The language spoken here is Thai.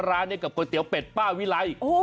ร้านนี้กับก๋วยเตี๋ยวเป็ดป้าวิไล